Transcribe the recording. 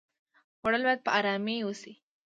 خوړل باید په آرامۍ وشي